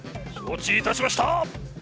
承知いたしました。